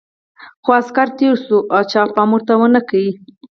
خو عسکر تېر شول او چا پام ورته ونه کړ.